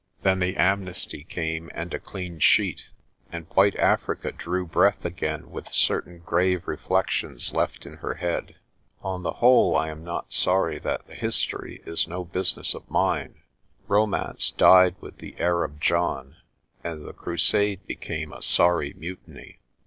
Then the amnesty came and a clean sheet and white Africa drew breath again with certain grave reflections left in her head. On the whole I am not sorry that the history is no business of mine. Romance died with "the heir of John" and the crusade became a sorry mutiny.